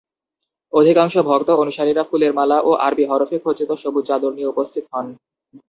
অধিকাংশ ভক্ত অনুসারীরা ফুলের মালা ও আরবি হরফে খচিত সবুজ চাদর নিয়ে উপস্থিত হন।